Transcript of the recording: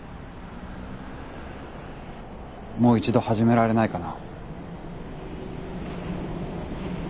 もう一度始められないかな。